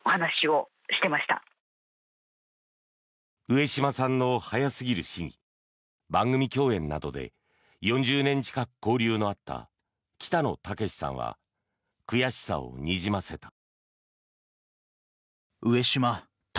上島さんの早すぎる死に番組共演などで４０年近く交流のあった北野武さんは悔しさをにじませた。